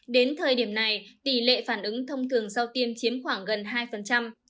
đến thời điểm này tỷ lệ phản ứng thông thường sau tiêm chiếm khoảng gần hai